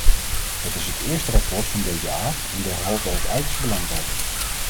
Het is het eerste rapport van deze aard en derhalve ook uiterst belangrijk.